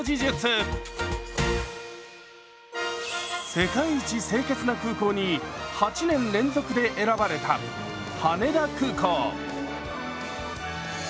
「世界一清潔な空港」に８年連続で選ばれた羽田空港。